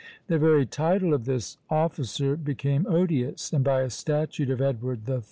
The very title of this officer became odious; and by a statute of Edward III.